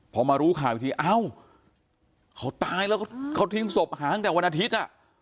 พอมารู้ข่าวอีกทีเอ้าเขาตายแล้วเขาทิ้งศพหาตั้งแต่วันอาทิตย์